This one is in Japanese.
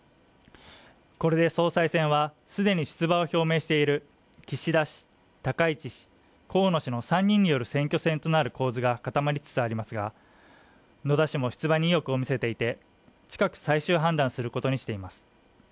これで総裁選はすでに出馬を表明している岸田氏、高市氏河野氏の３人による選挙戦となる構図が固まりつつありますが野田氏も出馬に意欲を見せていて近く最終判断することにしています